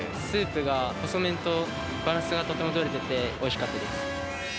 スープが細麺とバランスがとても取れてて、おいしかったです。